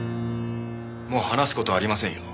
もう話す事はありませんよ。